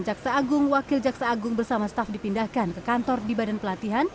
jaksa agung wakil jaksa agung bersama staf dipindahkan ke kantor di badan pelatihan